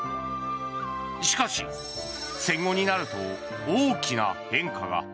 しかし、戦後になると大きな変化が。